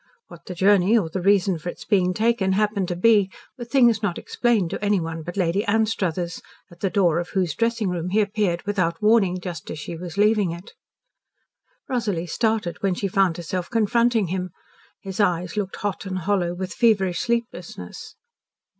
What the journey or the reason for its being taken happened to be were things not explained to anyone but Lady Anstruthers, at the door of whose dressing room he appeared without warning, just as she was leaving it. Rosalie started when she found herself confronting him. His eyes looked hot and hollow with feverish sleeplessness.